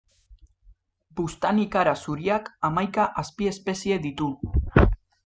Buztanikara zuriak hamaika azpiespezie ditu.